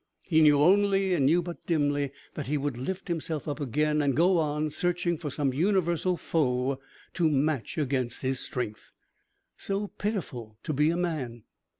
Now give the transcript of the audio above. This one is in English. He knew only and knew but dimly that he would lift himself up again and go on, searching for some universal foe to match against his strength. So pitiful to be a man!